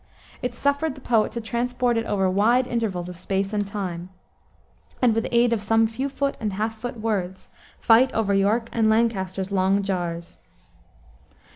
It suffered the poet to transport it over wide intervals of space and time, and "with aid of some few foot and half foot words, fight over York and Lancaster's long jars."